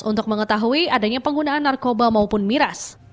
untuk mengetahui adanya penggunaan narkoba maupun miras